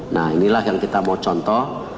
nah inilah yang kita mau contoh